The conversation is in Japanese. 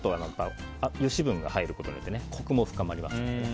油脂分が入ることによってコクも深まります。